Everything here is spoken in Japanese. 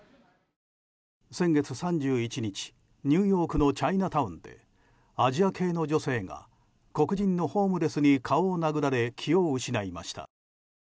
先月３１日ニューヨークのチャイナタウンでアジア系の女性が黒人のホームレスに顔を殴られ、気を失いました。